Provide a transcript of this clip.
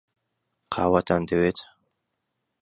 قاوەتان دەوێت؟